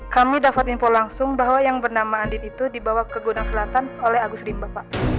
kami dapat info langsung bahwa yang bernama andin itu dibawa ke gudang selatan oleh agus rimba pak